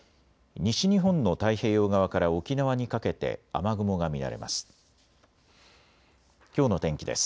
西日本の太平洋側から沖縄にかけて雨雲が見られます。